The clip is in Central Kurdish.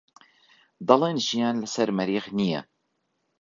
دەڵێن ژیان لەسەر مەریخ نییە.